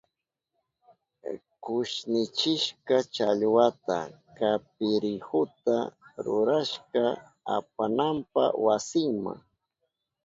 Kushnichishka challwata kapirihuta rurashka apananpa wasinma.